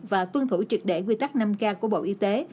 và tuân thủ triệt để quy tắc năm k của bộ y tế